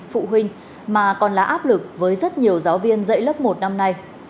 phụ huynh mà còn là áp lực với rất nhiều giáo viên dạy lớp một năm nay